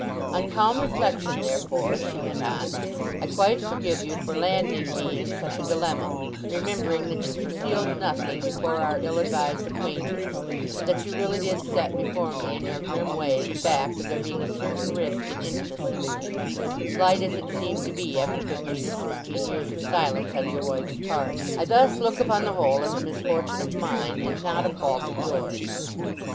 "On calm reflection, therefore," she went on, "I quite forgive you for landing me in such a dilemma, remembering that you concealed nothing before our ill advised acquaintance; and that you really did set before me in your grim way the fact of there being a certain risk in intimacy with you, slight as it seemed to be after fifteen or sixteen years of silence on your wife's part. I thus look upon the whole as a misfortune of mine, and not a fault of yours.